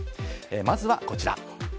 まずはこちら。